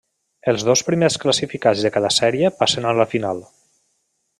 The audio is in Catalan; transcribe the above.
Els dos primers classificats de cada sèrie passen a la final.